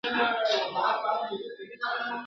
او د شعرونو مجموعې یې چاپ ته سپارلې ..